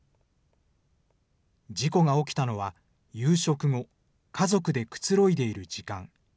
事故が起きたのは夕食後、家族でくつろいでいる時間。